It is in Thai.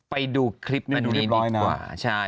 ไปดูคลิปนี้ดีกว่า